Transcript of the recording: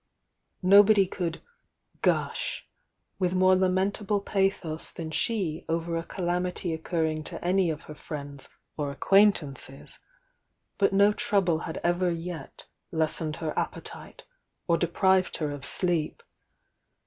Nobody could "gush" with more lamentable pa'.ios than she over a calamity occur ring to any of aer friends or acquaintances, but no trouble had ever yet lessened her appetite, or de prived her of sleep.